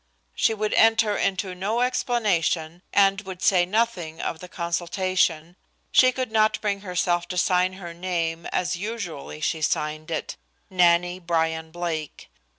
She would enter into no explanation and would say nothing of the consultation. She could not bring herself to sign her name as usually she signed it, Nannie Bryan Blake.